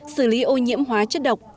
xử lý ô nhiễm hóa chất độc hóa